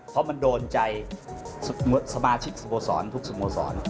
เพราะมันโดนใจสมาชิกสมสรรค์ทุกสมสรรค์